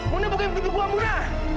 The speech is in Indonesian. muna buka pintu gua muna